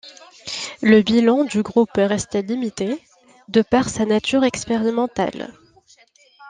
Le bilan du groupe reste limité, de par sa nature expérimentale.